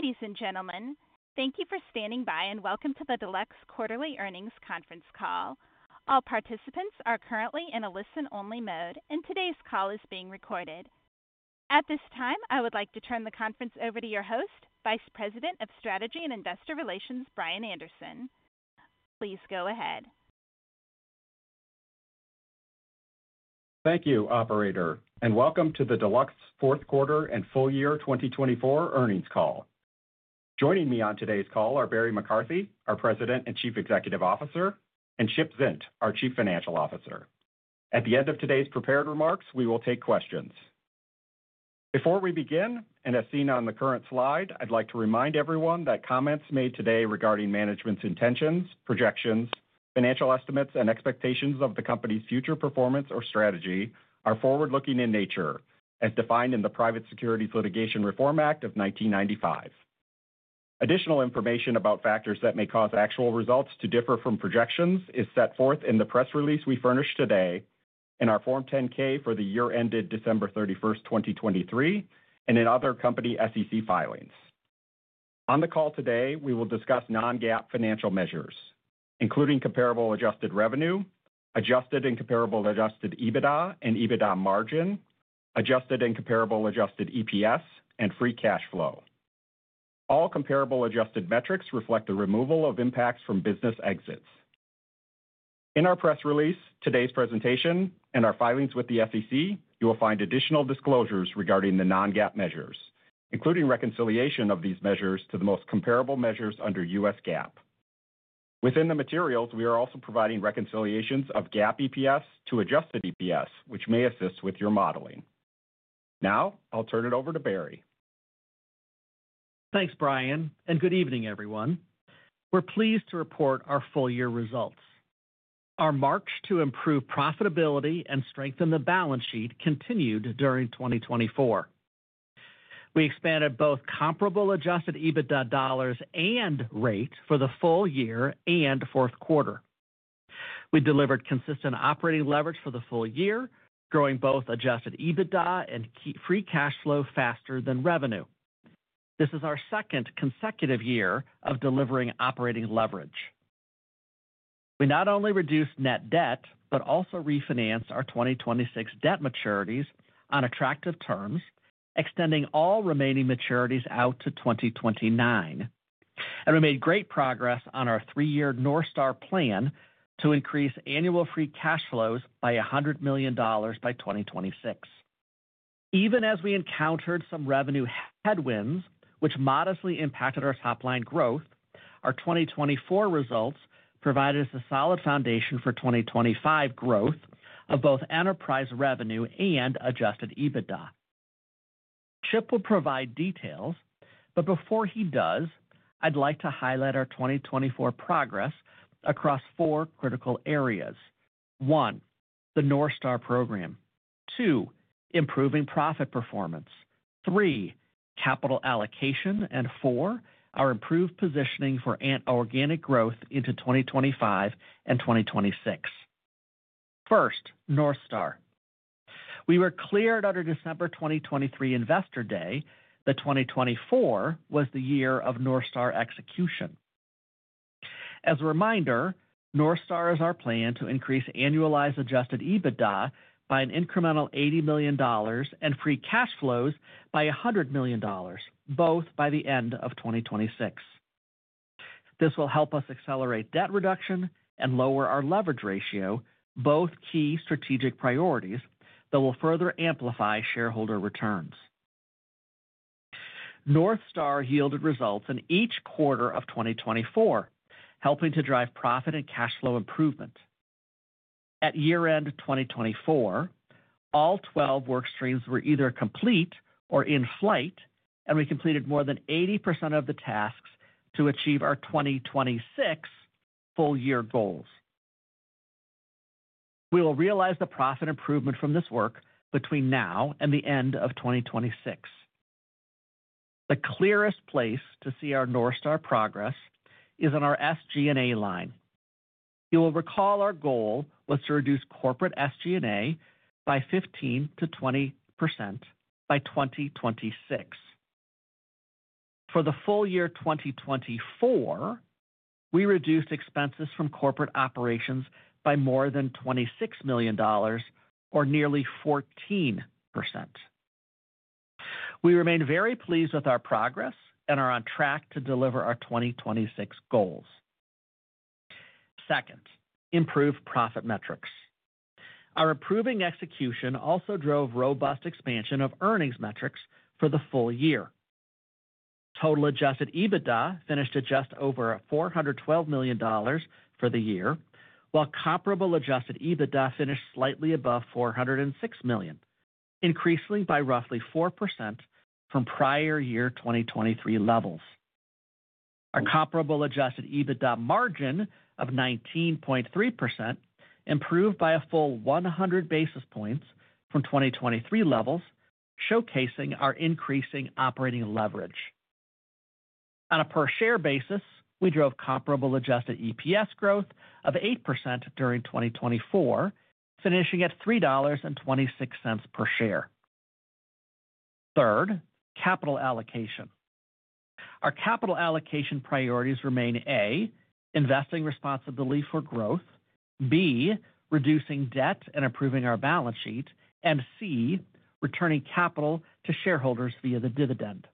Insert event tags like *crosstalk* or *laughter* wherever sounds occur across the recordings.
Ladies and gentlemen, thank you for standing by and welcome to the Deluxe Quarterly Earnings Conference Call. All participants are currently in a listen-only mode, and today's call is being recorded. At this time, I would like to turn the conference over to your host, Vice President of Strategy and Investor Relations, Brian Anderson. Please go ahead. Thank you, Operator, and welcome to the Deluxe Fourth Quarter and Full Year 2024 Earnings Call. Joining me on today's call are Barry McCarthy, our President and Chief Executive Officer, and Chip Zint, our Chief Financial Officer. At the end of today's prepared remarks, we will take questions. Before we begin, and as seen on the current slide, I'd like to remind everyone that comments made today regarding management's intentions, projections, financial estimates, and expectations of the company's future performance or strategy are forward-looking in nature, as defined in the Private Securities Litigation Reform Act of 1995. Additional information about factors that may cause actual results to differ from projections is set forth in the press release we furnish today, in our Form 10-K for the year ended December 31st, 2023, and in other company SEC filings. On the call today, we will discuss non-GAAP financial measures, including Comparable Adjusted Revenue, Adjusted and Comparable Adjusted EBITDA and EBITDA margin, Adjusted and Comparable Adjusted EPS, and Free Cash Flow. All comparable adjusted metrics reflect the removal of impacts from business exits. In our press release, today's presentation, and our filings with the SEC, you will find additional disclosures regarding the non-GAAP measures, including reconciliation of these measures to the most comparable measures under U.S. GAAP. Within the materials, we are also providing reconciliations of GAAP EPS to Adjusted EPS, which may assist with your modeling. Now, I'll turn it over to Barry. Thanks, Brian, and good evening, everyone. We're pleased to report our full year results, our march to improve profitability and strengthen the balance sheet continued during 2024. We expanded both Comparable Adjusted EBITDA dollars and rate for the full year and fourth quarter. We delivered consistent operating leverage for the full year, growing both Adjusted EBITDA and Free Cash Flow faster than revenue. This is our second consecutive year of delivering operating leverage. We not only reduced Net Debt, but also refinanced our 2026 debt maturities on attractive terms, extending all remaining maturities out to 2029. And we made great progress on our three year North Star Plan to increase annual Free Cash Flows by $100 million by 2026. Even as we encountered some revenue headwinds, which modestly impacted our top-line growth, our 2024 results provided us a solid foundation for 2025 growth of both Enterprise Revenue and Adjusted EBITDA. Chip will provide details, but before he does, I'd like to highlight our 2024 progress across four critical areas. One, the North Star program. Two, improving profit performance. Three, capital allocation. And four, our improved positioning for organic growth into 2025 and 2026. First, North Star. We made clear at the December 2023 Investor Day that 2024 was the year of North Star execution. As a reminder, North Star is our plan to increase annualized Adjusted EBITDA by an incremental $80 million and Free Cash Flows by $100 million, both by the end of 2026. This will help us accelerate debt reduction and lower our leverage ratio, both key strategic priorities that will further amplify shareholder returns. North Star yielded results in each quarter of 2024, helping to drive profit and cash flow improvement. At year-end 2024, all 12 work streams were either complete or in flight, and we completed more than 80% of the tasks to achieve our 2026 full year goals. We will realize the profit improvement from this work between now and the end of 2026. The clearest place to see our North Star progress is on our SG&A line. You will recall our goal was to reduce corporate SG&A by 15%-20% by 2026. For the full year 2024, we reduced expenses from corporate operations by more than $26 million, or nearly 14%. We remain very pleased with our progress and are on track to deliver our 2026 goals. Second, improved profit metrics. Our improving execution also drove robust expansion of earnings metrics for the full year. Total Adjusted EBITDA finished at just over $412 million for the year, while Comparable Adjusted EBITDA finished slightly above $406 million, increasing by roughly 4% from prior year 2023 levels. Our Comparable Adjusted EBITDA Margin of 19.3% improved by a full 100 basis points from 2023 levels, showcasing our increasing operating leverage. On a per share basis, we drove Comparable Adjusted EPS growth of 8% during 2024, finishing at $3.26 per share. Third, capital allocation, our capital allocation priorities remain: A, investing responsibility for growth; B, reducing debt and improving our balance sheet; and C, returning capital to shareholders via the dividend.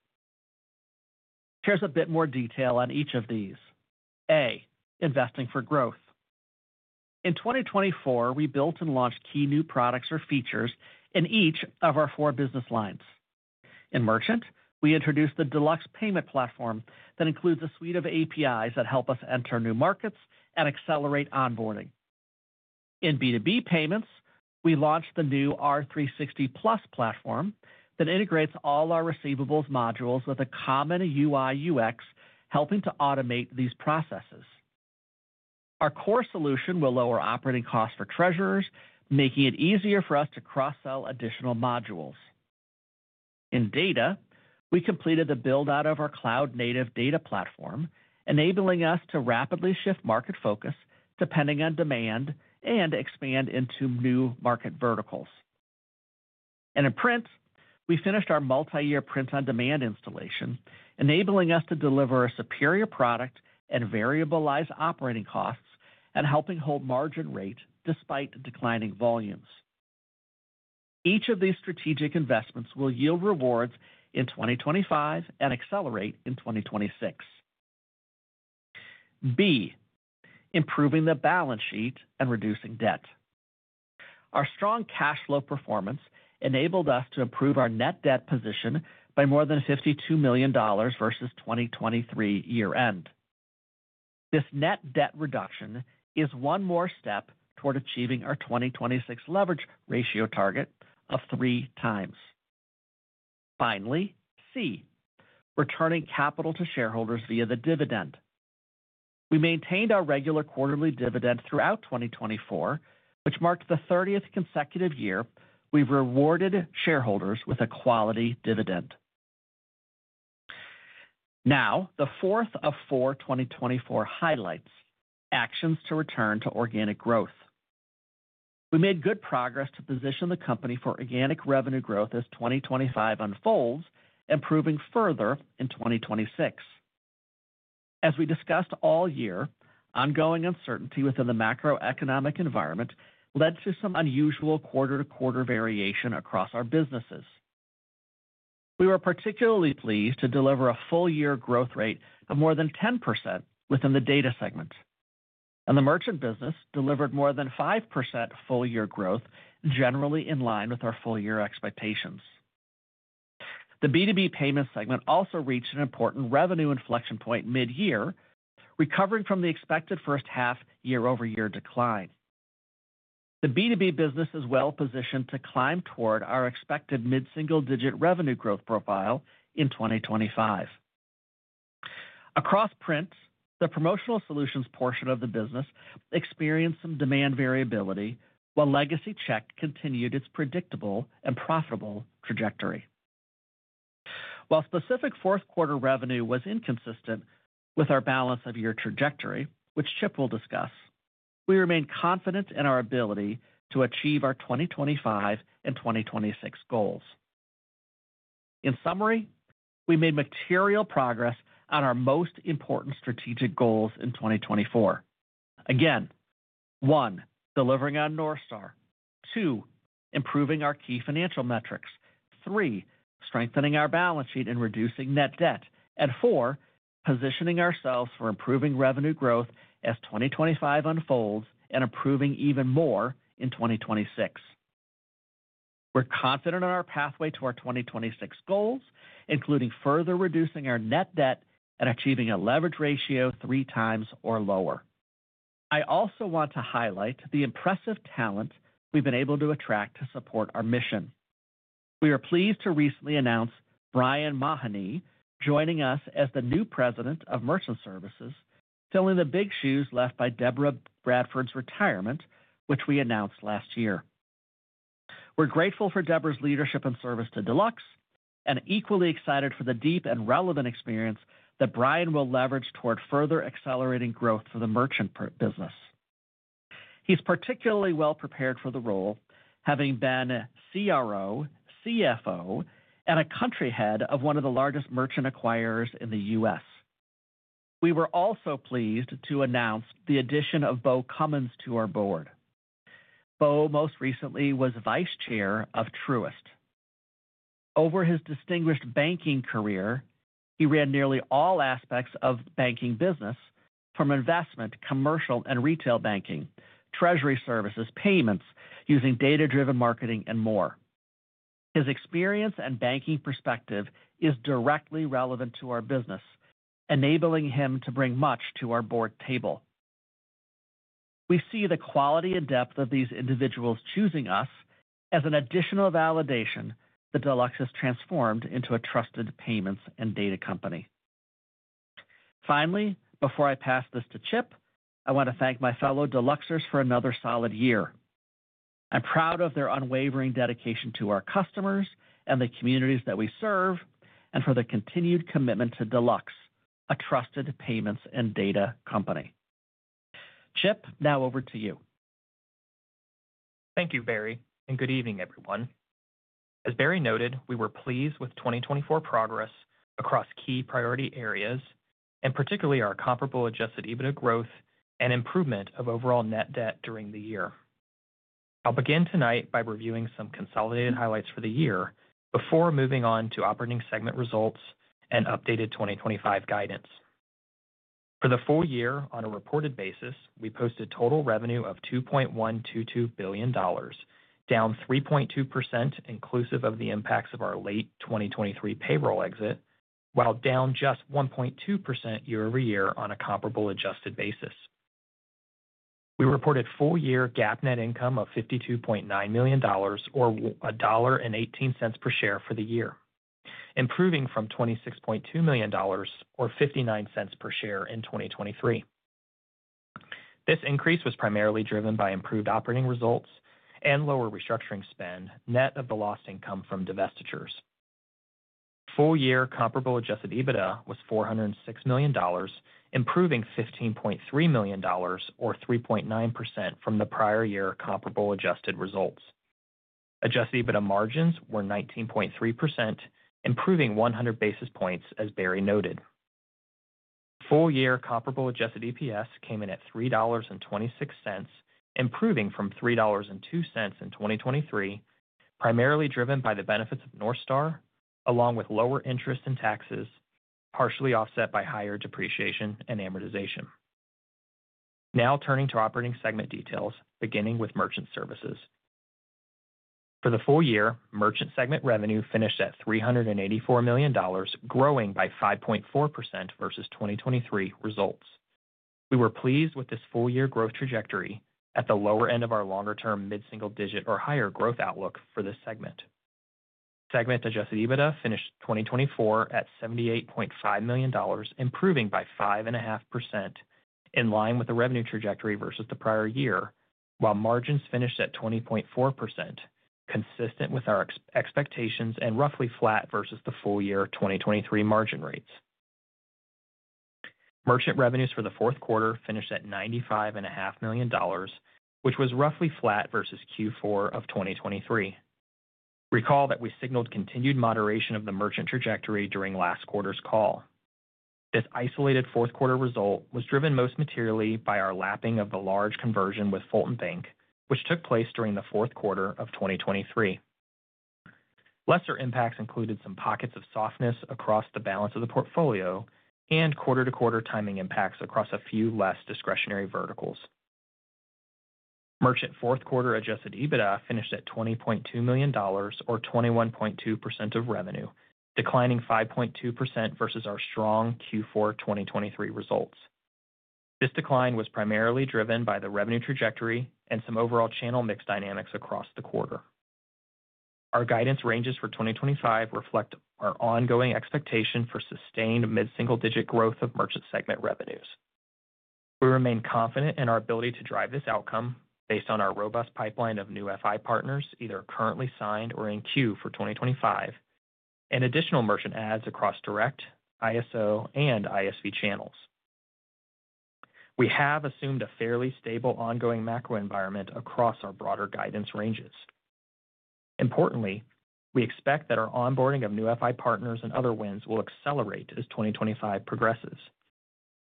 Here's a bit more detail on each of these. A, investing for growth. In 2024, we built and launched key new products or features in each of our four business lines. In Merchant, we introduced the Deluxe Payment Platform that includes a suite of APIs that help us enter new markets and accelerate onboarding. In B2B Payments, we launched the new R360+ platform that integrates all our receivables modules with a common UI/UX, helping to automate these processes. Our core solution will lower operating costs for treasurers, making it easier for us to cross-sell additional modules. In Data, we completed the build-out of our cloud-native data platform, enabling us to rapidly shift market focus depending on demand and expand into new market verticals. And in Print, we finished our multi-year print-on-demand installation, enabling us to deliver a superior product and variabilize operating costs and helping hold margin rate despite declining volumes. Each of these strategic investments will yield rewards in 2025 and accelerate in 2026. B, improving the balance sheet and reducing debt. Our strong Cash Flow performance enabled us to improve our Net Debt position by more than $52 million versus 2023 year-end. This Net Debt reduction is one more step toward achieving our 2026 Leverage Ratio target of three times. Finally, C, returning capital to shareholders via the dividend. We maintained our regular quarterly dividend throughout 2024, which marked the 30th consecutive year we've rewarded shareholders with a quality dividend. Now, the fourth of four 2024 highlights actions to return to organic growth. We made good progress to position the company for organic revenue growth as 2025 unfolds, improving further in 2026. As we discussed all year, ongoing uncertainty within the macroeconomic environment led to some unusual quarter-to-quarter variation across our businesses. We were particularly pleased to deliver a full-year growth rate of more than 10% within the Data segment. The Merchant business delivered more than 5% full-year growth, generally in line with our full-year expectations. The B2B Payment segment also reached an important revenue inflection point mid-year, recovering from the expected first-half year-over-year decline. The B2B business is well positioned to climb toward our expected mid-single-digit revenue growth profile in 2025. Across Print, the promotional solutions portion of the business experienced some demand variability, while legacy check continued its predictable and profitable trajectory. While specific fourth-quarter revenue was inconsistent with our balance of year trajectory, which Chip will discuss, we remain confident in our ability to achieve our 2025 and 2026 goals. In summary, we made material progress on our most important strategic goals in 2024. Again, one, delivering on North Star. Two, improving our key financial metrics. Three, strengthening our balance sheet and reducing Net Debt. And four, positioning ourselves for improving revenue growth as 2025 unfolds and improving even more in 2026. We're confident in our pathway to our 2026 goals, including further reducing our Net Debt and achieving a Leverage Ratio three times or lower. I also want to highlight the impressive talent we've been able to attract to support our mission. We are pleased to recently announce Brian Mahoney joining us as the new President of Merchant Services, filling the big shoes left by Debra Bradford's retirement, which we announced last year. We're grateful for Debra's leadership and service to Deluxe and equally excited for the deep and relevant experience that Brian will leverage toward further accelerating growth for the Merchant business. He's particularly well prepared for the role, having been CRO, CFO, and a Country Head of one of the largest merchant acquirers in the U.S. We were also pleased to announce the addition of Beau Cummins to our Board. Beau most recently was Vice Chair of Truist. Over his distinguished banking career, he ran nearly all aspects of the banking business, from investment, commercial, and retail banking, treasury services, payments, using data-driven marketing, and more. His experience and banking perspective is directly relevant to our business, enabling him to bring much to our Board table. We see the quality and depth of these individuals choosing us as an additional validation that Deluxe has transformed into a trusted payments and data company. Finally, before I pass this to Chip, I want to thank my fellow Deluxers for another solid year. I'm proud of their unwavering dedication to our customers and the communities that we serve, and for their continued commitment to Deluxe, a trusted payments and data company. Chip, now over to you. Thank you, Barry, and good evening, everyone. As Barry noted, we were pleased with 2024 progress across key priority areas, and particularly our Comparable adjusted EBITDA growth and improvement of overall Net Debt during the year. I'll begin tonight by reviewing some consolidated highlights for the year before moving on to operating segment results and updated 2025 guidance. For the full year, on a reported basis, we posted Total Revenue of $2.122 billion, down 3.2% inclusive of the impacts of our late 2023 payroll exit, while down just 1.2% year-over-year on a Comparable Adjusted basis. We reported full-year GAAP Net Income of $52.9 million, or $1.18 per share for the year, improving from $26.2 million, or $0.59 per share in 2023. This increase was primarily driven by improved operating results and lower restructuring spend, net of the lost income from divestitures. Full-year Comparable Adjusted EBITDA was $406 million, improving $15.3 million, or 3.9% from the prior year comparable adjusted results. Adjusted EBITDA margins were 19.3%, improving 100 basis points, as Barry noted. Full-year Comparable Adjusted EPS came in at $3.26, improving from $3.02 in 2023, primarily driven by the benefits of North Star, along with lower interest and taxes, partially offset by higher depreciation and amortization. Now turning to operating segment details, beginning with Merchant Services. For the full year, Merchant segment revenue finished at $384 million, growing by 5.4% versus 2023 results. We were pleased with this full-year growth trajectory at the lower end of our longer-term mid-single-digit or higher growth outlook for this segment. Segment Adjusted EBITDA finished 2024 at $78.5 million, improving by 5.5%, in line with the revenue trajectory versus the prior year, while margins finished at 20.4%, consistent with our expectations and roughly flat versus the full-year 2023 margin rates. Merchant revenues for the fourth quarter finished at $95.5 million, which was roughly flat versus Q4 of 2023. Recall that we signaled continued moderation of the Merchant trajectory during last quarter's call. This isolated fourth-quarter result was driven most materially by our lapping of the large conversion with Fulton Bank, which took place during the fourth quarter of 2023. Lesser impacts included some pockets of softness across the balance of the portfolio and quarter-to-quarter timing impacts across a few less discretionary verticals. Merchant fourth-quarter Adjusted EBITDA finished at $20.2 million, or 21.2% of revenue, declining 5.2% versus our strong Q4 2023 results. This decline was primarily driven by the revenue trajectory and some overall channel mix dynamics across the quarter. Our guidance ranges for 2025 reflect our ongoing expectation for sustained mid-single-digit growth of Merchant segment revenues. We remain confident in our ability to drive this outcome based on our robust pipeline of new FI partners, either currently signed or in queue for 2025, and additional Merchant Ads across direct, ISO, and ISV channels. We have assumed a fairly stable ongoing macro environment across our broader guidance ranges. Importantly, we expect that our onboarding of new FI partners and other wins will accelerate as 2025 progresses.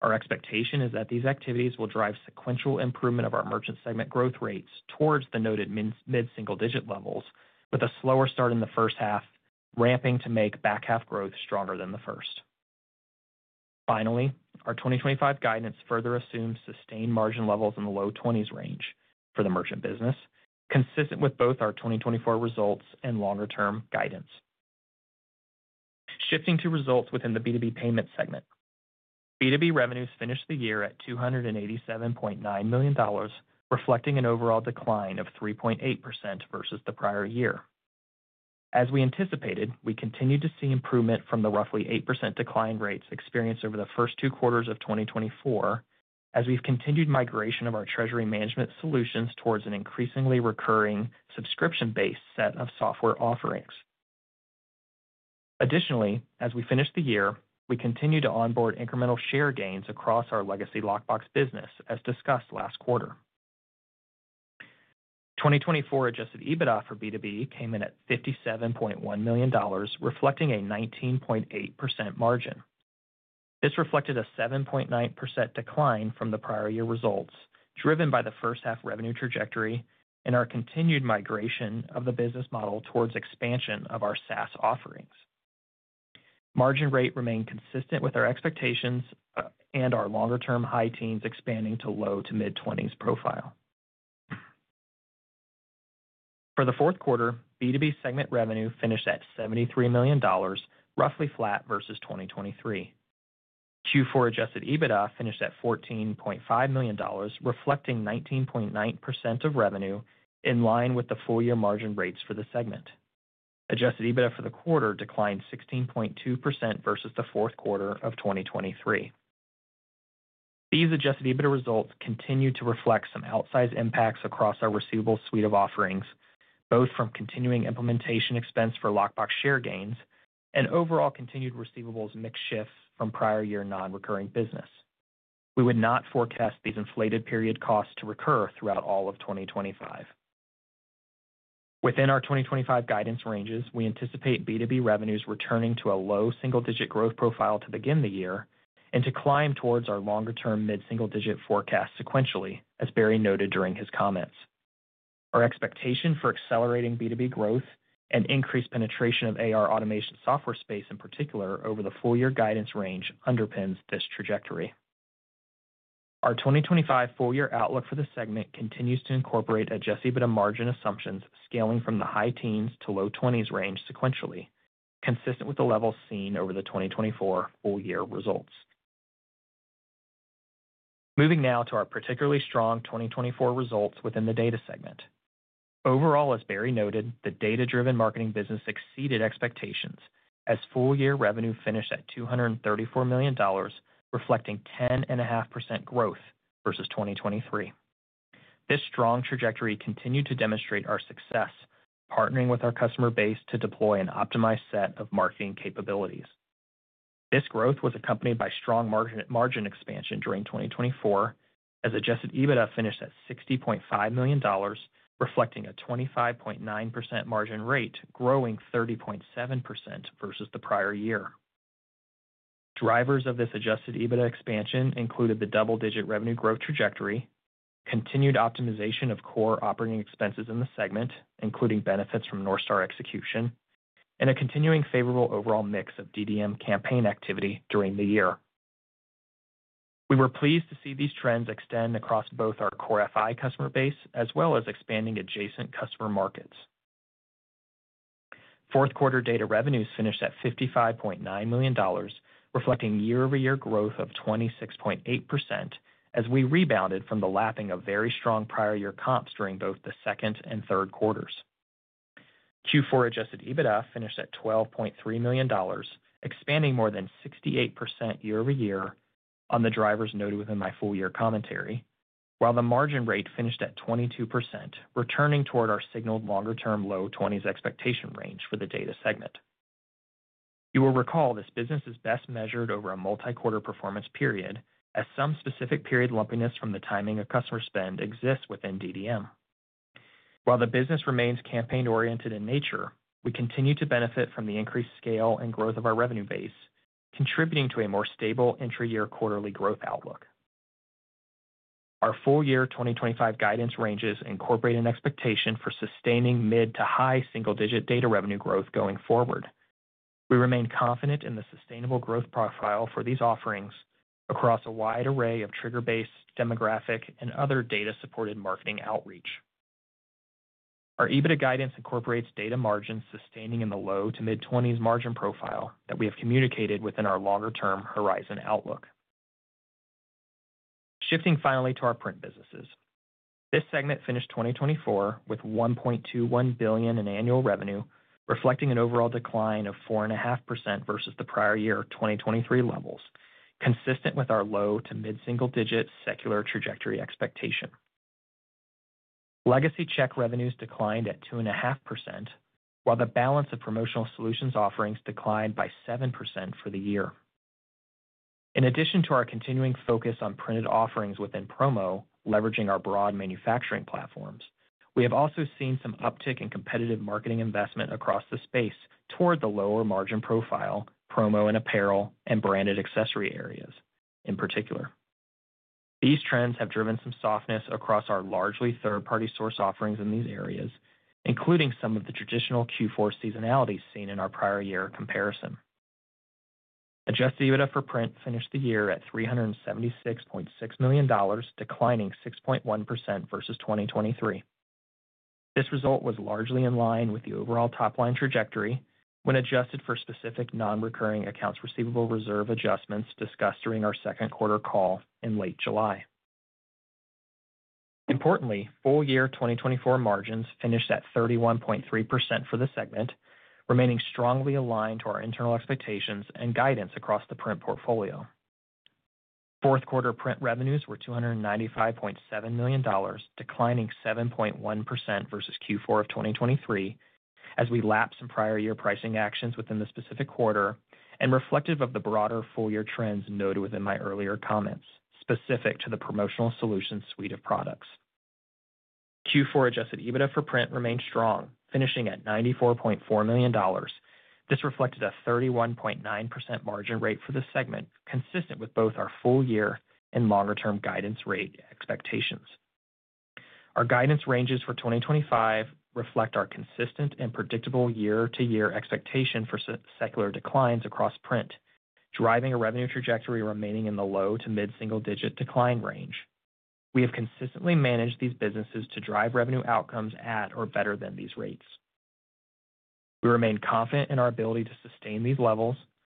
Our expectation is that these activities will drive sequential improvement of our Merchant segment growth rates towards the noted mid-single-digit levels, with a slower start in the first half, ramping to make back-half growth stronger than the first. Finally, our 2025 guidance further assumes sustained margin levels in the low 20s range for the Merchant business, consistent with both our 2024 results and longer-term guidance. Shifting to results within the B2B Payment segment, B2B revenues finished the year at $287.9 million, reflecting an overall decline of 3.8% versus the prior year. As we anticipated, we continued to see improvement from the roughly 8% decline rates experienced over the first two quarters of 2024, as we've continued migration of our Treasury Management Solutions towards an increasingly recurring subscription-based set of software offerings. Additionally, as we finish the year, we continue to onboard incremental share gains across our legacy Lockbox business, as discussed last quarter. 2024 Adjusted EBITDA for B2B came in at $57.1 million, reflecting a 19.8% margin. This reflected a 7.9% decline from the prior year results, driven by the first-half revenue trajectory and our continued migration of the business model towards expansion of our SaaS offerings. Margin rate remained consistent with our expectations and our longer-term high teens expanding to low to mid-20s profile. For the fourth quarter, B2B segment revenue finished at $73 million, roughly flat versus 2023. Q4 Adjusted EBITDA finished at $14.5 million, reflecting 19.9% of revenue, in line with the full-year margin rates for the segment. Adjusted EBITDA for the quarter declined 16.2% versus the fourth quarter of 2023. These Adjusted EBITDA results continue to reflect some outsized impacts across our receivables suite of offerings, both from continuing implementation expense for Lockbox share gains and overall continued receivables mix shifts from prior year non-recurring business. We would not forecast these inflated period costs to recur throughout all of 2025. Within our 2025 guidance ranges, we anticipate B2B revenues returning to a low single-digit growth profile to begin the year and to climb towards our longer-term mid-single-digit forecast sequentially, as Barry noted during his comments. Our expectation for accelerating B2B growth and increased penetration of AR automation software space, in particular over the full-year guidance range, underpins this trajectory. Our 2025 full-year outlook for the segment continues to incorporate Adjusted EBITDA margin assumptions scaling from the high teens to low 20s range sequentially, consistent with the levels seen over the 2024 full-year results. Moving now to our particularly strong 2024 results within the Data segment. Overall, as Barry noted, the data-driven marketing business exceeded expectations, as full-year revenue finished at $234 million, reflecting 10.5% growth versus 2023. This strong trajectory continued to demonstrate our success, partnering with our customer base to deploy an optimized set of marketing capabilities. This growth was accompanied by strong margin expansion during 2024, as Adjusted EBITDA finished at $60.5 million, reflecting a 25.9% margin rate, growing 30.7% versus the prior year. Drivers of this Adjusted EBITDA expansion included the double-digit revenue growth trajectory, continued optimization of core operating expenses in the segment, including benefits from North Sta`r execution, and a continuing favorable overall mix of DDM campaign activity during the year. We were pleased to see these trends extend across both our core FI customer base as well as expanding adjacent customer markets. Fourth-quarter Data revenues finished at $55.9 million, reflecting year-over-year growth of 26.8%, as we rebounded from the lapping of very strong prior year comps during both the second and third quarters. Q4 Adjusted EBITDA finished at $12.3 million, expanding more than 68% year-over-year on the drivers noted within my full-year commentary, while the margin rate finished at 22%, returning toward our signaled longer-term low 20s expectation range for the Data segment. You will recall this business is best measured over a multi-quarter performance period, as some specific period lumpiness from the timing of customer spend exists within DDM. While the business remains campaign-oriented in nature, we continue to benefit from the increased scale and growth of our revenue base, contributing to a more stable intra-year quarterly growth outlook. Our full-year 2025 guidance ranges incorporate an expectation for sustaining mid to high single-digit Data revenue growth going forward. We remain confident in the sustainable growth profile for these offerings across a wide array of trigger-based, demographic, and other data-supported marketing outreach. Our EBITDA guidance incorporates Data margins sustaining in the low to mid-20s margin profile that we have communicated within our longer-term horizon outlook. Shifting finally to our Print businesses, this segment finished 2024 with $1.21 billion in annual revenue, reflecting an overall decline of 4.5% versus the prior year 2023 levels, consistent with our low to mid-single-digit secular trajectory expectation. Legacy Check revenues declined at 2.5%, while the balance of Promotional Solutions offerings declined by 7% for the year. In addition to our continuing focus on printed offerings within Promo, leveraging our broad manufacturing platforms, we have also seen some uptick in competitive marketing investment across the space toward the lower margin profile, Promo and apparel, and Branded accessory areas, in particular. These trends have driven some softness across our largely third-party source offerings in these areas, including some of the traditional Q4 seasonalities seen in our prior year comparison. Adjusted EBITDA for Print finished the year at $376.6 million, declining 6.1% versus 2023. This result was largely in line with the overall top-line trajectory when adjusted for specific non-recurring accounts receivable reserve adjustments discussed during our second quarter call in late July. Importantly, full-year 2024 margins finished at 31.3% for the segment, remaining strongly aligned to our internal expectations and guidance across the Print portfolio. Fourth-quarter Print revenues were $295.7 million, declining 7.1% versus Q4 of 2023, as we lapped some prior year pricing actions within the specific quarter and reflective of the broader full-year trends noted within my earlier comments specific to the Promotional Solution suite of products. Q4 Adjusted EBITDA for print remained strong, finishing at $94.4 million. This reflected a 31.9% margin rate for the segment, consistent with both our full-year and longer-term guidance rate expectations. Our guidance ranges for 2025 reflect our consistent and predictable year-to-year expectation for secular declines across Print, driving a revenue trajectory remaining in the low to mid-single-digit decline range. We have consistently managed these businesses to drive revenue outcomes at or better than these rates. We remain confident in our ability to sustain these levels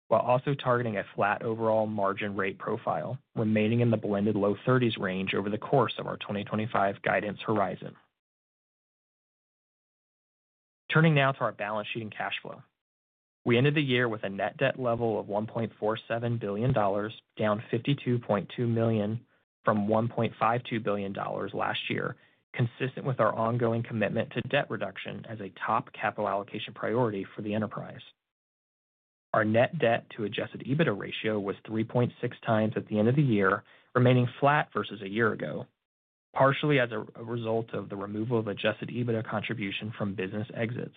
while also targeting a flat overall margin rate profile, remaining in the blended low 30s range over the course of our 2025 guidance horizon. Turning now to our balance sheet and cash flow. We ended the year with a Net Debt level of $1.47 billion, down $52.2 million from $1.52 billion last year, consistent with our ongoing commitment to debt reduction as a top capital allocation priority for the enterprise. Our Net Debt to Adjusted EBITDA ratio was 3.6 times at the end of the year, remaining flat versus a year ago, partially as a result of the removal of Adjusted EBITDA contribution from business exits.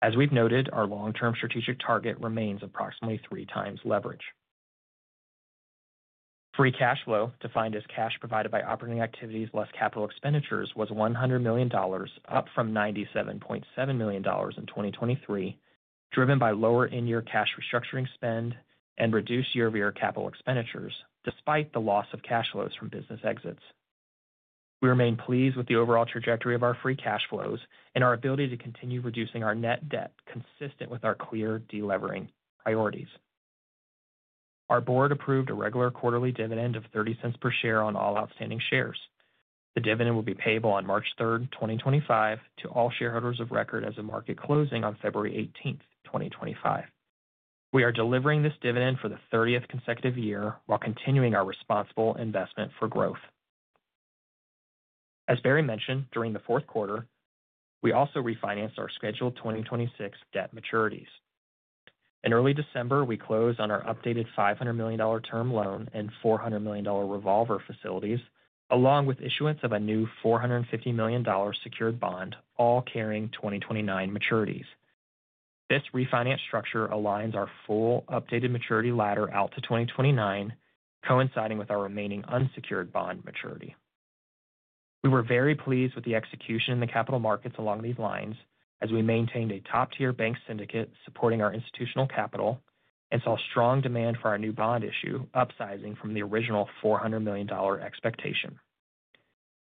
As we've noted, our long-term strategic target remains approximately three times leverage. Free Cash Flow, defined as cash provided by operating activities less capital expenditures, was $100 million, up from $97.7 million in 2023, driven by lower in-year cash restructuring spend and reduced year-over-year capital expenditures, despite the loss of cash flows from business exits. We remain pleased with the overall trajectory of our Free Cash Flows and our ability to continue reducing our Net Debt, consistent with our clear delevering priorities. Our board approved a regular quarterly dividend of $0.30 per share on all outstanding shares. The dividend will be payable on March 3rd, 2025, to all shareholders of record as of market closing on February 18th, 2025. We are delivering this dividend for the 30th consecutive year while continuing our responsible investment for growth. As Barry mentioned, during the fourth quarter, we also refinanced our scheduled 2026 debt maturities. In early December, we closed on our updated $500 million term loan and $400 million revolver facilities, along with issuance of a new $450 million secured bond, all carrying 2029 maturities. This refinance structure aligns our full updated maturity ladder out to 2029, coinciding with our remaining unsecured bond maturity. We were very pleased with the execution in the capital markets along these lines, as we maintained a top-tier bank syndicate supporting our institutional capital and saw strong demand for our new bond issue, upsizing from the original $400 million expectation.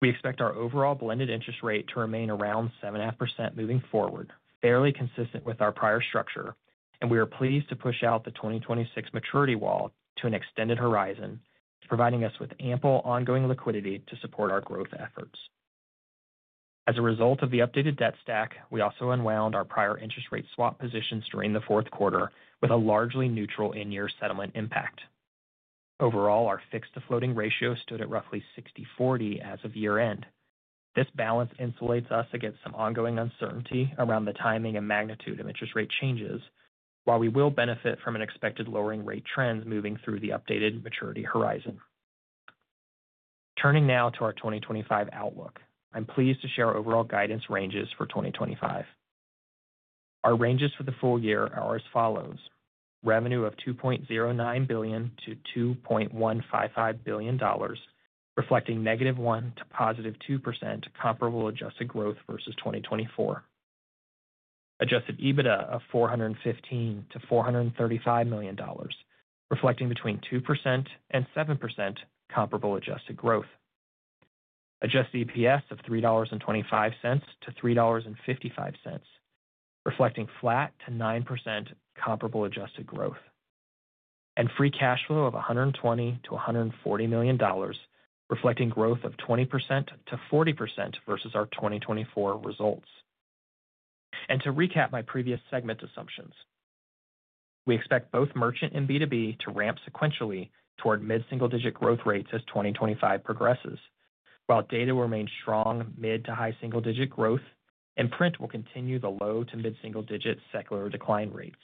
We expect our overall blended interest rate to remain around 7.5% moving forward, fairly consistent with our prior structure, and we are pleased to push out the 2026 maturity wall to an extended horizon, providing us with ample ongoing liquidity to support our growth efforts. As a result of the updated debt stack, we also unwound our prior interest rate swap positions during the fourth quarter with a largely neutral in-year settlement impact. Overall, our fixed to floating ratio stood at roughly 60/40 as of year-end. This balance insulates us against some ongoing uncertainty around the timing and magnitude of interest rate changes, while we will benefit from an expected lowering rate trend moving through the updated maturity horizon. Turning now to our 2025 outlook, I'm pleased to share our overall guidance ranges for 2025. Our ranges for the full year are as follows: revenue of $2.09 billion-$2.155 billion, reflecting negative 1% to positive 2% Comparable Adjusted Growth versus 2024, Adjusted EBITDA of $415 million-$435 million, reflecting between 2% and 7% Comparable Adjusted Growth, Adjusted EPS of $3.25-$3.55, reflecting flat to 9% Comparable Adjusted Growth, and Free Cash Flow of $120 million-$140 million, reflecting growth of 20%-40% versus our 2024 results, to recap my previous segment assumptions, we expect both Merchant and B2B to ramp sequentially toward mid-single-digit growth rates as 2025 progresses, while Data will remain strong mid to high single-digit growth, and Print will continue the low to mid-single-digit secular decline rates.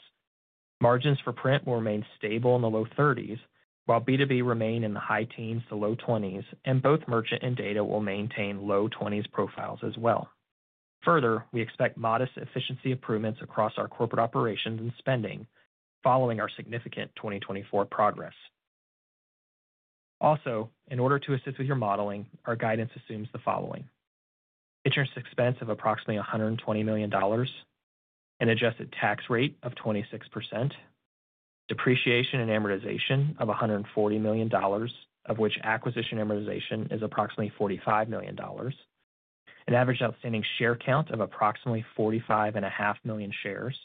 Margins for Print will remain stable in the low 30s, while B2B remain in the high teens to low 20s, and both Merchant and Data will maintain low 20s profiles as well. Further, we expect modest efficiency improvements across our corporate operations and spending following our significant 2024 progress. Also, in order to assist with your modeling, our guidance assumes the following: interest expense of approximately $120 million, an Adjusted Tax Rate of 26%, Depreciation and Amortization of $140 million, of which acquisition amortization is approximately $45 million, an average outstanding share count of approximately 45.5 million shares,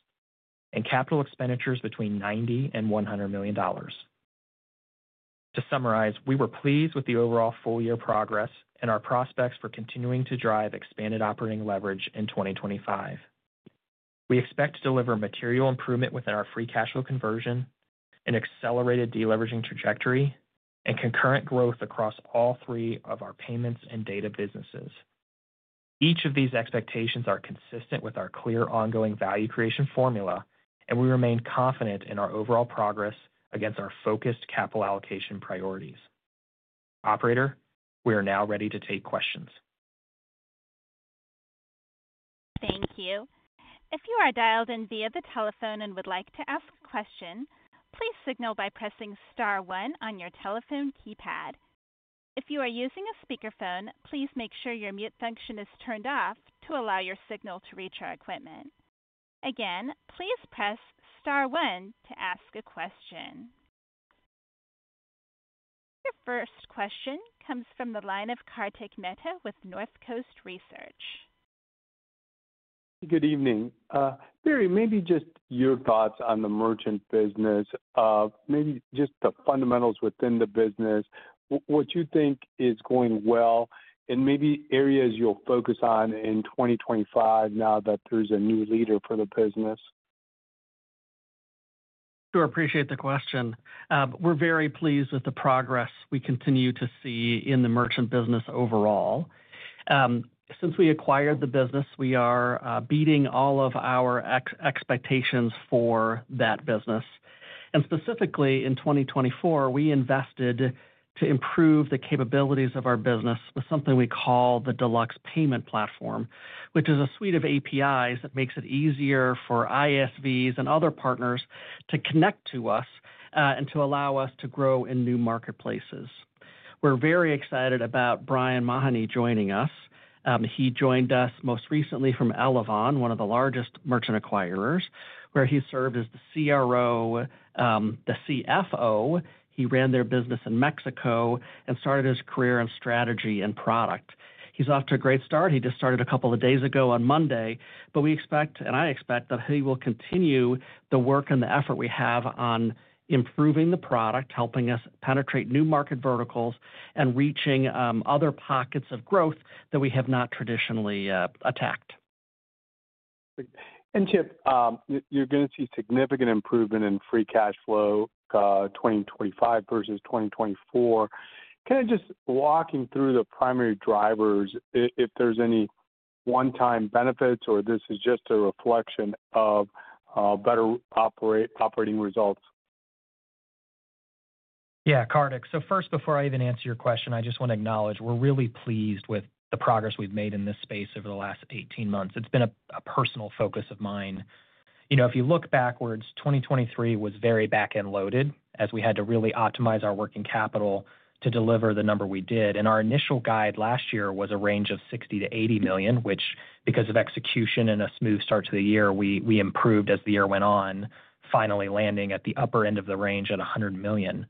and capital expenditures between $90 million and $100 million. To summarize, we were pleased with the overall full-year progress and our prospects for continuing to drive expanded operating leverage in 2025. We expect to deliver material improvement within our Free Cash Flow conversion, an accelerated deleveraging trajectory, and concurrent growth across all three of our Payments and Data businesses. Each of these expectations are consistent with our clear ongoing value creation formula, and we remain confident in our overall progress against our focused capital allocation priorities. Operator, we are now ready to take questions. Thank you. If you are dialed in via the telephone and would like to ask a question, please signal by pressing star one on your telephone keypad. If you are using a speakerphone, please make sure your mute function is turned off to allow your signal to reach our equipment. Again, please press star one to ask a question. Your first question comes from the line of Kartik Mehta with Northcoast Research. Good evening. Barry, maybe just your thoughts on the Merchant business, maybe just the fundamentals within the business, what you think is going well, and maybe areas you'll focus on in 2025 now that there's a new leader for the business? Sure. Appreciate the question. We're very pleased with the progress we continue to see in the merchant business overall. Since we acquired the business, we are beating all of our expectations for that business, and specifically, in 2024, we invested to improve the capabilities of our business with something we call the Deluxe Payment Platform, which is a suite of APIs that makes it easier for ISVs and other partners to connect to us and to allow us to grow in new marketplaces. We're very excited about Brian Mahoney joining us. He joined us most recently from Elavon, one of the largest merchant acquirers, where he served as the CRO, the CFO. He ran their business in Mexico and started his career in Strategy and Product. He's off to a great start, he just started a couple of days ago on Monday, but we expect, and I expect, that he will continue the work and the effort we have on improving the product, helping us penetrate new market verticals and reaching other pockets of growth that we have not traditionally attacked. And Chip, you're going to see significant improvement in Free Cash Flow 2025 versus 2024. Kind of just walking through the primary drivers, if there's any one-time benefits or this is just a reflection of better operating results? Yeah, Kartik. So first, before I even answer your question, I just want to acknowledge we're really pleased with the progress we've made in this space over the last 18 months. It's been a personal focus of mine. You know, if you look backwards, 2023 was very back-end loaded as we had to really optimize our working capital to deliver the number we did. And our initial guide last year was a range of $60 million-$80 million, which, because of execution and a smooth start to the year, we improved as the year went on, finally landing at the upper end of the range at $100 million.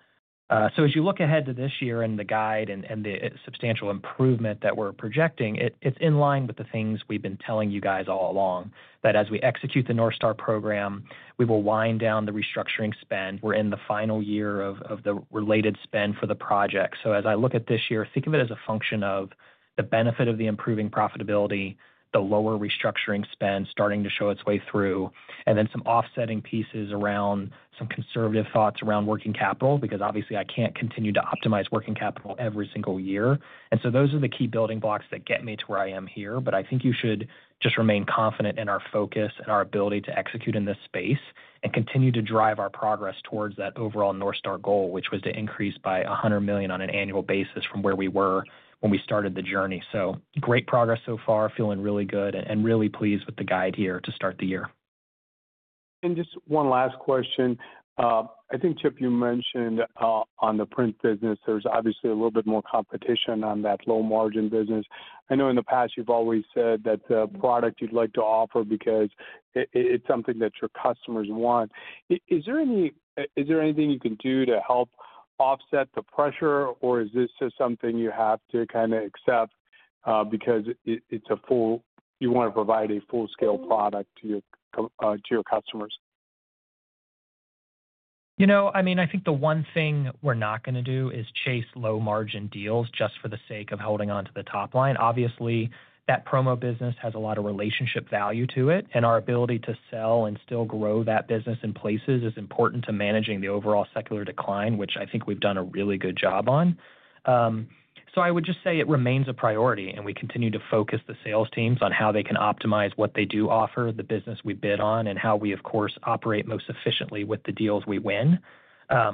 So as you look ahead to this year and the guide and the substantial improvement that we're projecting, it's in line with the things we've been telling you guys all along that as we execute the North Star program, we will wind down the restructuring spend. We're in the final year of the related spend for the project. So as I look at this year, think of it as a function of the benefit of the improving profitability, the lower restructuring spend starting to show its way through, and then some offsetting pieces around some conservative thoughts around working capital, because obviously I can't continue to optimize working capital every single year. And so those are the key building blocks that get me to where I am here. But I think you should just remain confident in our focus and our ability to execute in this space and continue to drive our progress towards that overall North Star goal, which was to increase by $100 million on an annual basis from where we were when we started the journey. So great progress so far, feeling really good and really pleased with the guide here to start the year. And just one last question. I think, Chip, you mentioned on the Print business, there's obviously a little bit more competition on that low-margin business. I know in the past you've always said that the product you'd like to offer because it's something that your customers want. Is there anything you can do to help offset the pressure, or is this just something you have to kind of accept because you want to provide a full-scale product to your customers? You know, I mean, I think the one thing we're not going to do is chase low-margin deals just for the sake of holding on to the top line. Obviously, that Promo business has a lot of relationship value to it, and our ability to sell and still grow that business in places is important to managing the overall secular decline, which I think we've done a really good job on. So I would just say it remains a priority, and we continue to focus the sales teams on how they can optimize what they do offer, the business we bid on, and how we, of course, operate most efficiently with the deals we win.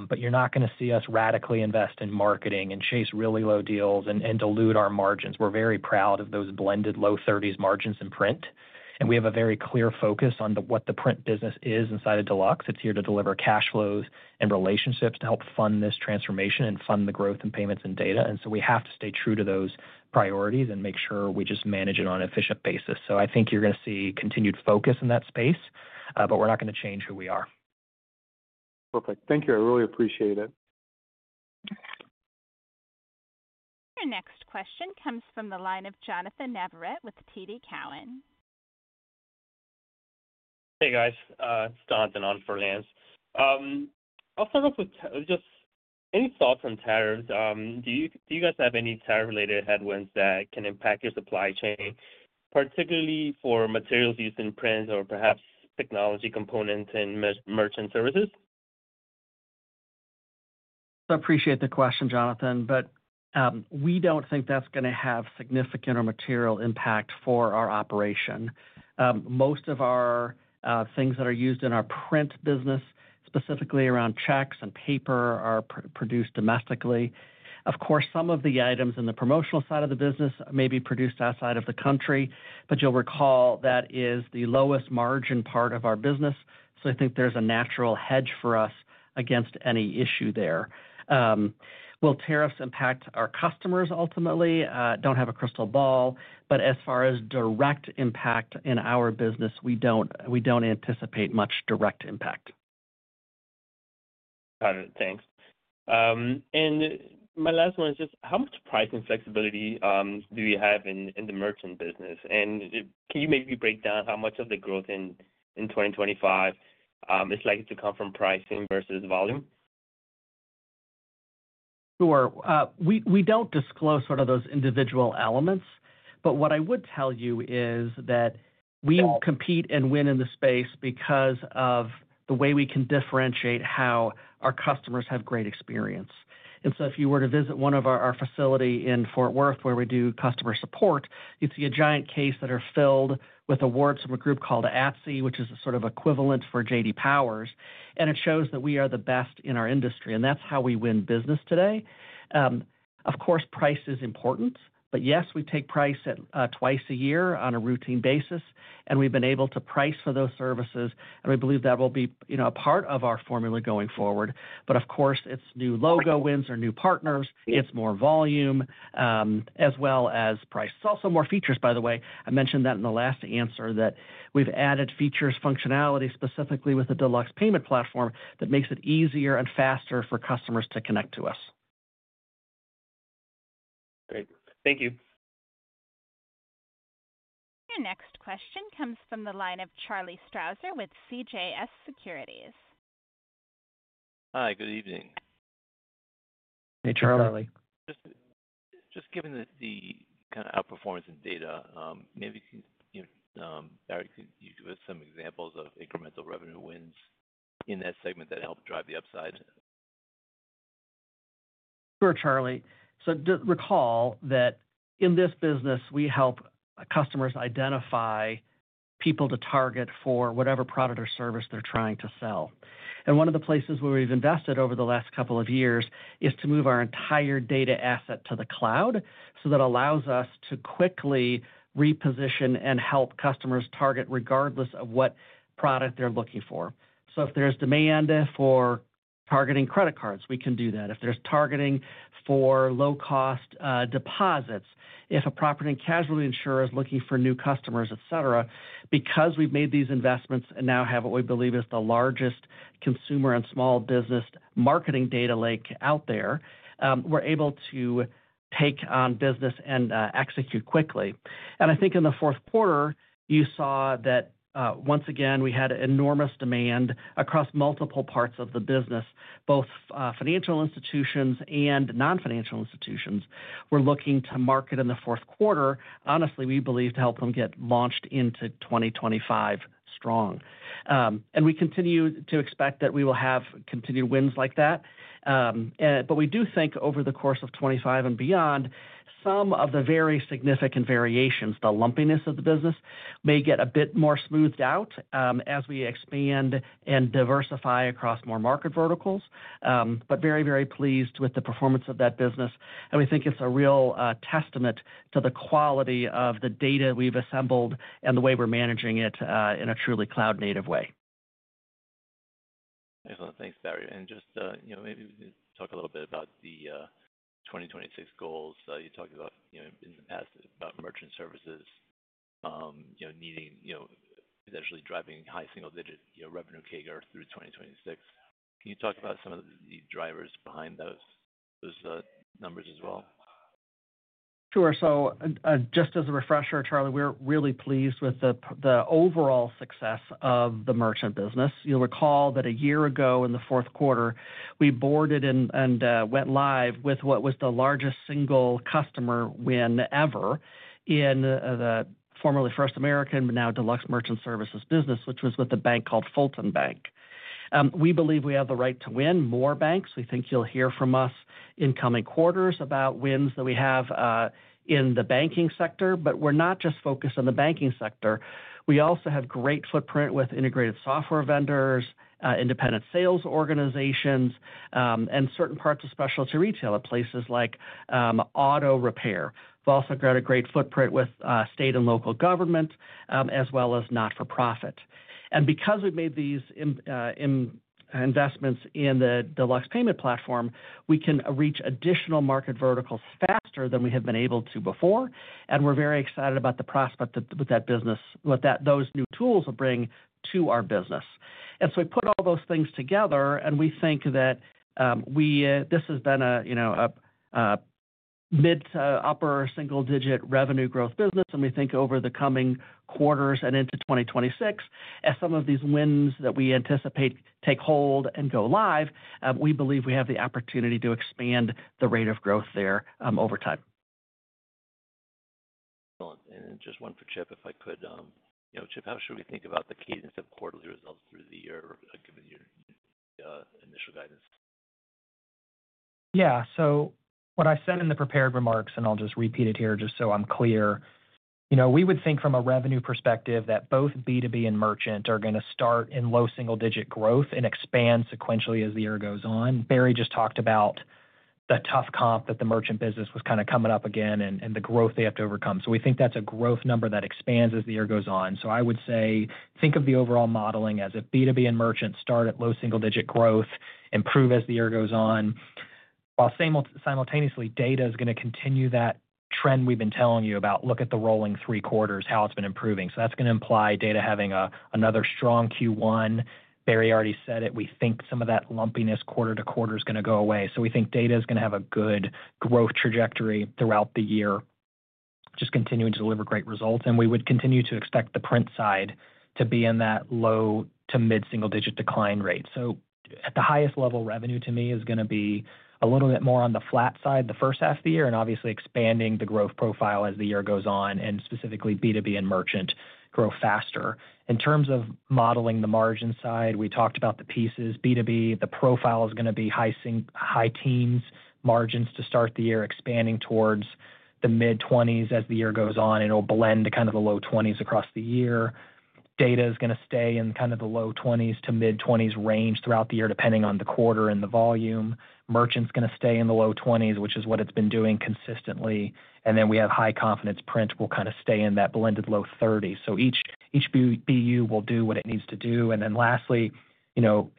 But you're not going to see us radically invest in marketing and chase really low deals and dilute our margins. We're very proud of those blended low 30s margins in Print, and we have a very clear focus on what the Print business is inside of Deluxe. It's here to deliver Cash Flows and relationships to help fund this transformation and fund the growth and Payments and Data. And so we have to stay true to those priorities and make sure we just manage it on an efficient basis. So I think you're going to see continued focus in that space, but we're not going to change who we are. Perfect. Thank you. I really appreciate it. Our next question comes from the line of Jonnathan Navarrete with TD Cowen. Hey, guys. It's Jonnathan on Finance. I'll start off with just any thoughts on Tariffs. Do you guys have any tariff-related headwinds that can impact your supply chain, particularly for materials used in Print or perhaps technology components and Merchant Services? So I appreciate the question, Jonnathan, but we don't think that's going to have significant or material impact for our operation. Most of our things that are used in our Print business, specifically around checks and paper, are produced domestically. Of course, some of the items in the Promotional side of the business may be produced outside of the country, but you'll recall that is the lowest margin part of our business. So I think there's a natural hedge for us against any issue there. Will Tariffs impact our customers ultimately? I don't have a crystal ball, but as far as direct impact in our business, we don't anticipate much direct impact. Got it. Thanks. And my last one is just how much pricing flexibility do you have in the Merchant business? And can you maybe break down how much of the growth in 2025 is likely to come from pricing versus volume? Sure. We don't disclose sort of those individual elements, but what I would tell you is that we compete and win in the space because of the way we can differentiate how our customers have great experience. If you were to visit one of our facilities in Fort Worth, where we do customer support, you'd see a giant case that is filled with awards from a group called ATSI, which is sort of equivalent to J.D. Power, and it shows that we are the best in our industry, and that's how we win business today. Of course, price is important, but yes, we take price twice a year on a routine basis, and we've been able to price for those services, and we believe that will be a part of our formula going forward. But of course, it's new logo wins or new partners, it's more volume, as well as price. It's also more features, by the way. I mentioned that in the last answer that we've added features, functionality specifically with the Deluxe Payment Platform that makes it easier and faster for customers to connect to us. Great. Thank you. Your next question comes from the line of Charlie Strauzer with CJS Securities. Hi. Good evening. Hey, Charlie. *crosstalk* Just given the kind of outperformance in Data, maybe you could give us some examples of incremental revenue wins in that segment that help drive the upside? Sure, Charlie. So recall that in this business, we help customers identify people to target for whatever product or service they're trying to sell. And one of the places where we've invested over the last couple of years is to move our entire Data asset to the Cloud so that allows us to quickly reposition and help customers target regardless of what product they're looking for. So if there's demand for targeting credit cards, we can do that. If there's targeting for low-cost Deposits, if a Property and Casualty Insurer is looking for new customers, etc., because we've made these investments and now have what we believe is the largest consumer and small business Marketing Data Lake out there, we're able to take on business and execute quickly. And I think in the fourth quarter, you saw that once again, we had enormous demand across multiple parts of the business, both Financial Institutions and Non-financial Institutions were looking to market in the fourth quarter, honestly, we believe, to help them get launched into 2025 strong. And we continue to expect that we will have continued wins like that. But we do think over the course of 2025 and beyond, some of the very significant variations, the lumpiness of the business, may get a bit more smoothed out as we expand and diversify across more market verticals, but very, very pleased with the performance of that business. And we think it's a real testament to the quality of the Data we've assembled and the way we're managing it in a truly cloud-native way. Excellent! Thanks, Barry. And just maybe we can talk a little bit about the 2026 goals. You talked about in the past about Merchant Services needing potentially driving high single-digit revenue CAGR through 2026. Can you talk about some of the drivers behind those numbers as well? Sure! So just as a refresher, Charlie, we're really pleased with the overall success of the Merchant business. You'll recall that a year ago in the fourth quarter, we onboarded and went live with what was the largest single customer win ever in the formerly First American, but now Deluxe Merchant Services business, which was with a bank called Fulton Bank. We believe we have the right to win more banks. We think you'll hear from us in coming quarters about wins that we have in the banking sector, but we're not just focused on the banking sector. We also have great footprint with Integrated Software Vendors, Independent Sales Organizations, and certain parts of specialty retail at places like auto repair. We've also got a great footprint with state and local government as well as not-for-profit. And because we've made these investments in the Deluxe Payment Platform, we can reach additional market verticals faster than we have been able to before, and we're very excited about the prospect that those new tools will bring to our business. And so we put all those things together, and we think that this has been a mid to upper single-digit revenue growth business, and we think over the coming quarters and into 2026, as some of these wins that we anticipate take hold and go live, we believe we have the opportunity to expand the rate of growth there over time. Excellent. And just one for Chip, if I could. Chip, how should we think about the cadence of quarterly results through the year given your initial guidance? Yeah. So what I said in the prepared remarks, and I'll just repeat it here just so I'm clear, we would think from a revenue perspective that both B2B and Merchant are going to start in low single-digit growth and expand sequentially as the year goes on. Barry just talked about the tough comp that the Merchant business was kind of coming up again and the growth they have to overcome. So we think that's a growth number that expands as the year goes on. So I would say think of the overall modeling as if B2B and Merchant start at low single-digit growth, improve as the year goes on, while simultaneously Data is going to continue that trend we've been telling you about, look at the rolling three quarters, how it's been improving. So that's going to imply Data having another strong Q1. Barry already said it. We think some of that lumpiness quarter to quarter is going to go away. So we think Data is going to have a good growth trajectory throughout the year, just continue to deliver great results. And we would continue to expect the Print side to be in that low to mid single-digit decline rate. So at the highest level, revenue to me is going to be a little bit more on the flat side the first half of the year and obviously expanding the growth profile as the year goes on and specifically B2B and Merchant grow faster. In terms of modeling the margin side, we talked about the pieces B2B, the profile is going to be high teens, margins to start the year, expanding towards the mid-20s as the year goes on, and it'll blend kind of the low 20s across the year. Data is going to stay in kind of the low 20s to mid-20s range throughout the year depending on the quarter and the volume. Merchant's going to stay in the low 20s, which is what it's been doing consistently, and then we have high confidence Print will kind of stay in that blended low 30s, so each BU will do what it needs to do, and then lastly,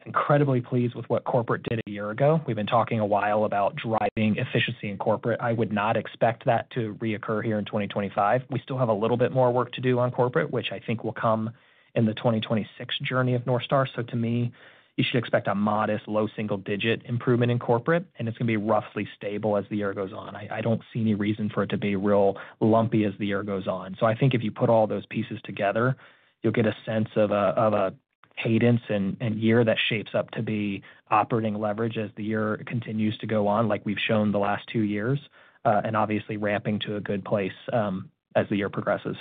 incredibly pleased with what Corporate did a year ago. We've been talking a while about driving efficiency in Corporate. I would not expect that to reoccur here in 2025. We still have a little bit more work to do on Corporate, which I think will come in the 2026 journey of North Star, so to me, you should expect a modest low single-digit improvement in Corporate, and it's going to be roughly stable as the year goes on. I don't see any reason for it to be real lumpy as the year goes on. So I think if you put all those pieces together, you'll get a sense of a cadence and year that shapes up to be operating leverage as the year continues to go on, like we've shown the last two years, and obviously ramping to a good place as the year progresses.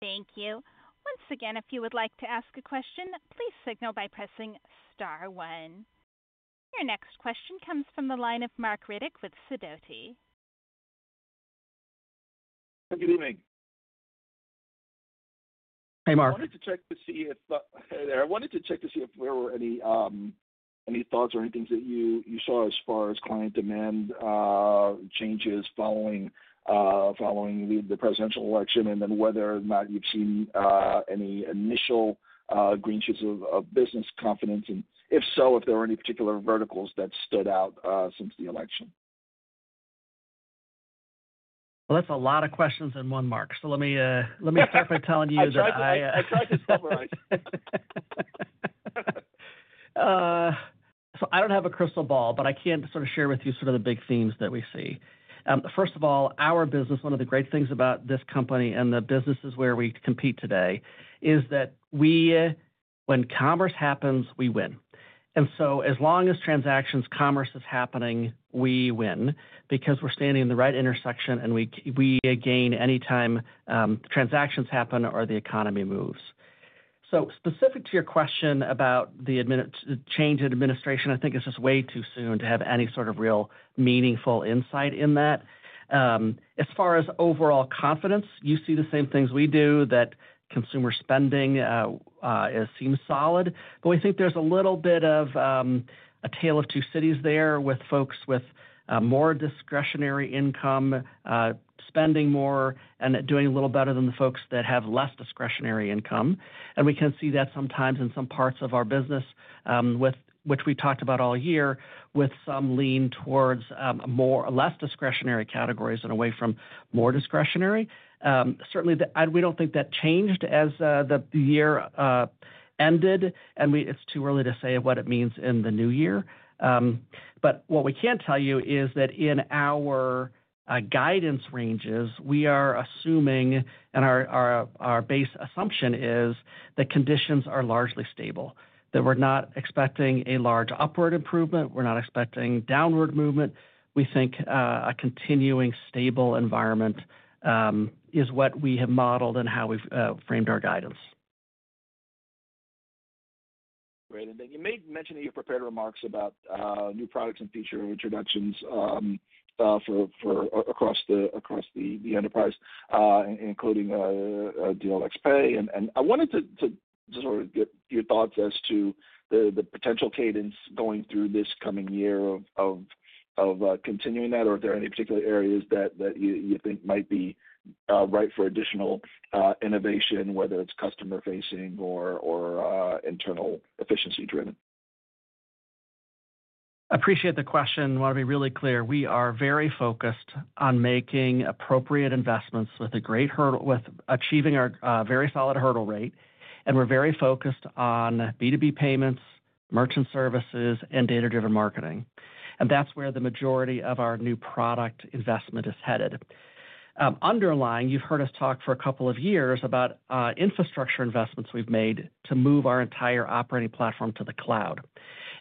Thank you. Once again, if you would like to ask a question, please signal by pressing star one. Your next question comes from the line of Marc Riddick with Sidoti. Good evening. Hey, Marc. I wanted to check to see if there were any thoughts or anything that you saw as far as client demand changes following the presidential election and then whether or not you've seen any initial green shoots of business confidence. If so, if there were any particular verticals that stood out since the Election? Well, that's a lot of questions in one, Marc. So let me start by telling you that. I try to summarize. So I don't have a crystal ball, but I can sort of share with you sort of the big themes that we see. First of all, our business, one of the great things about this company and the businesses where we compete today is that when commerce happens, we win. And so as long as transactions, commerce is happening, we win because we're standing in the right intersection and we gain anytime transactions happen or the economy moves. So specific to your question about the change in Administration, I think it's just way too soon to have any sort of real meaningful insight in that. As far as overall confidence, you see the same things we do that consumer spending seems solid, but we think there's a little bit of a tale of two cities there with folks with more discretionary income spending more and doing a little better than the folks that have less discretionary income, and we can see that sometimes in some parts of our business, which we talked about all year, with some lean towards more or less discretionary categories and away from more discretionary. Certainly, we don't think that changed as the year ended, and it's too early to say what it means in the new year, but what we can tell you is that in our guidance ranges we are assuming, and our base assumption is that conditions are largely stable, that we're not expecting a large upward improvement, we're not expecting downward movement. We think a continuing stable environment is what we have modeled and how we've framed our guidance. Great. And then you may mention that you prepared remarks about new products and feature introductions across the enterprise, including DLX Pay. And I wanted to sort of get your thoughts as to the potential cadence going through this coming year of continuing that, or are there any particular areas that you think might be right for additional innovation, whether it's customer-facing or internal efficiency-driven? I appreciate the question. I want to be really clear. We are very focused on making appropriate investments with achieving a very solid hurdle rate, and we're very focused on B2B Payments, Merchant Services, and Data-Driven Marketing. And that's where the majority of our new product investment is headed. Underlying, you've heard us talk for a couple of years about infrastructure investments we've made to move our entire operating platform to the cloud.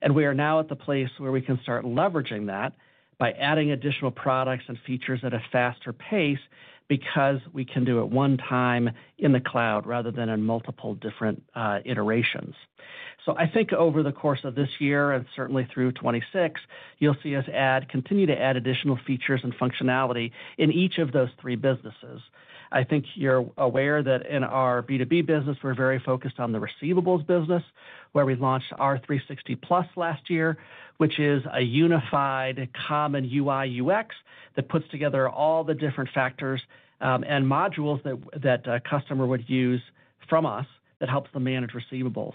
And we are now at the place where we can start leveraging that by adding additional products and features at a faster pace because we can do it one time in the cloud rather than in multiple different iterations. So I think over the course of this year and certainly through 2026, you'll see us continue to add additional features and functionality in each of those three businesses. I think you're aware that in our B2B business, we're very focused on the receivables business, where we launched R360+ last year, which is a unified common UI/UX that puts together all the different factors and modules that a customer would use from us that helps them manage receivables.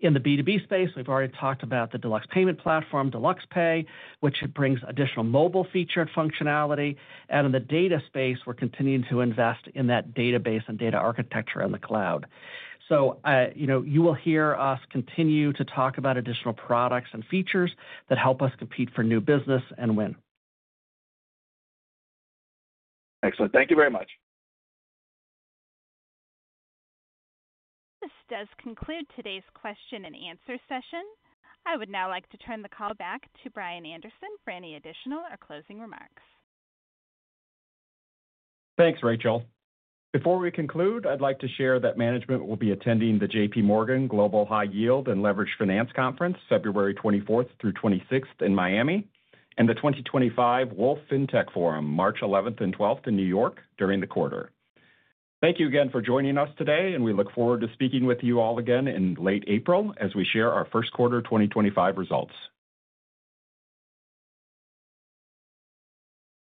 In the B2B space, we've already talked about the Deluxe Payment Platform, Deluxe Pay, which brings additional mobile feature and functionality. And in the Data space, we're continuing to invest in that database and data architecture in the cloud. So you will hear us continue to talk about additional products and features that help us compete for new business and win. Excellent! Thank you very much. This does conclude today's question and answer session. I would now like to turn the call back to Brian Anderson for any additional or closing remarks. Thanks, Rachel. Before we conclude, I'd like to share that management will be attending the JPMorgan Global High Yield and Leveraged Finance Conference, February 24th through 26th in Miami, and the 2025 Wolfe FinTech Forum, March 11th and 12th in New York during the quarter. Thank you again for joining us today, and we look forward to speaking with you all again in late April as we share our first quarter 2025 results.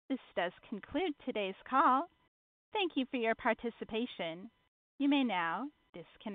This does conclude today's call. Thank you for your participation. You may now disconnect.